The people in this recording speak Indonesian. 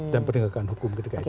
dan pertengahkan hukum ketika itu